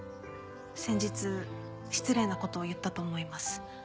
先日失礼な事を言ったと思います。